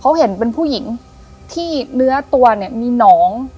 เขาเห็นเป็นผู้หญิงที่เนื้อตัวเนี่ยมีหนอง